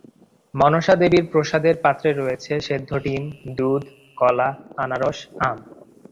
মনসা দেবীর প্রসাদের পাত্রে রয়েছে সেদ্ধ ডিম, দুধ, কলা, আনারস, আম।